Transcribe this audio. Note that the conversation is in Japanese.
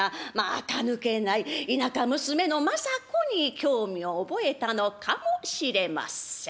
あか抜けない田舎娘の政子に興味を覚えたのかもしれません。